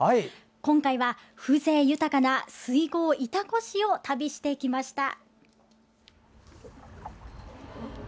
今回は、風情豊かな水郷潮来市を旅してきました。